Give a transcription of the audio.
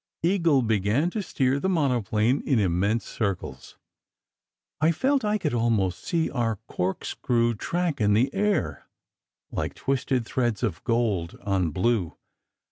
Eagle began to steer the monoplane in immense circles. I felt I could almost see our corkscrew track in the air, like twisted threads of gold on blue.